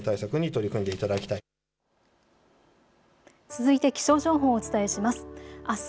続いて気象情報をお伝えします。